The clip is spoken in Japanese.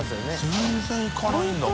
全然いかないんだもんな。